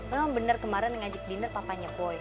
emang bener kemarin ngajak dinner papanya boy